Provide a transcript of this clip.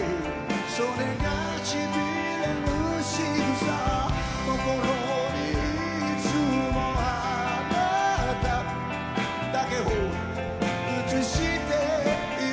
「それがシビれるしぐさ」「心にいつもアナタだけを映しているの」